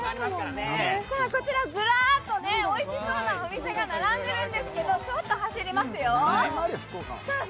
こちらずらーっとおいしそうなお店が並んでいるんですけど、ちょっと走りますよ。